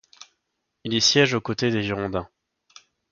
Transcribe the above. Il y siège aux côtés des Girondins.